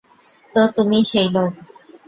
তো তুমিই সেই লোক।